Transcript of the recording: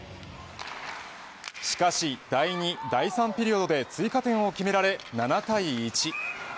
しかし第２、第３ピリオドで追加点を決められ７対１。